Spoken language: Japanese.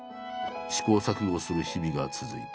試行錯誤する日々が続いた。